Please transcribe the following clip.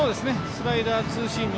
スライダー、ツーシーム。